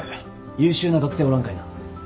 優秀な学生おらんかいな？